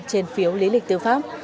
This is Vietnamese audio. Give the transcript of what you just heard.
trên phiếu lý lịch tư pháp